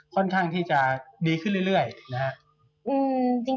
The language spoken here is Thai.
ค่อนข้างที่จะดีขึ้นเรื่อยนะครับ